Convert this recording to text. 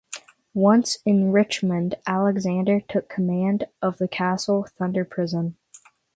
Once in Richmond, Alexander took command of the Castle Thunder Prison.